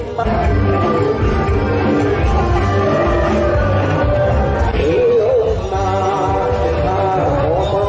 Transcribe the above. เพื่อเพื่อสำคัญอาสามารกร